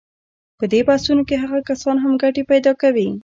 په دې بحثونو کې هغه کسان هم ګټې پیدا کوي.